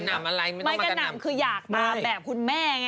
ไม่กระหน่ำคืออยากมาแบบคุณแม่ไง